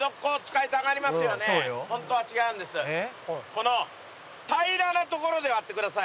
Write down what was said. この平らな所で割ってください。